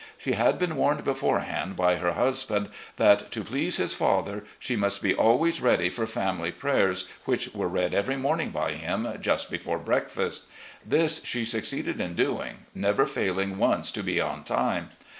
She had been warned beforehand by her husband that, to please his father, she must be always ready for family prayers, which were read every morning by him just before breakfast. This she succeeded in doing, never failing once to be on time.